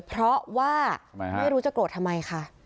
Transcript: เพราะว่าไม่รู้จะโกรธทำไมค่ะ